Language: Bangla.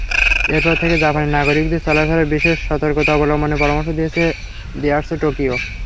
এরপর থেকে জাপানের নাগরিকদের চলাফেরায় বিশেষ সতর্কতা অবলম্বনের পরামর্শ দিয়ে আসছে টোকিও।